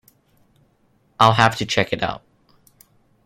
I’ll have to check it out.